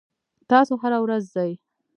تاسو هره ورځ ځئ؟